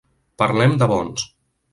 Parlem de bons.